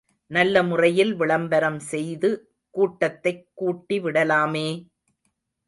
நல்லமுறையில் விளம்பரம் செய்து கூட்டத்தைக் கூட்டிவிடலாமே!